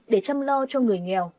để chăm lo cho người nghèo